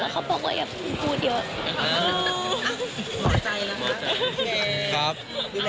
แล้วเขาก็บอกว่าอย่าพูดเยอะ